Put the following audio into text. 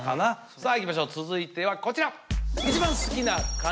さあいきましょう続いてはこちら。